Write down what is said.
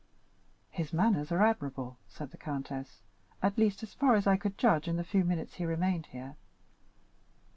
"His manners are admirable," said the countess, "at least, as far as I could judge in the few minutes he remained here."